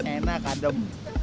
tempatnya enak adem